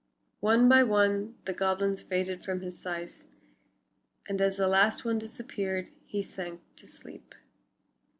One by one the goblins faded from his sight, and as the last one disappeared he sank to sleep.